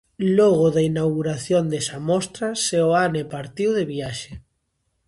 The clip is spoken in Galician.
Logo da inauguración desa mostra, Seoane partiu de viaxe.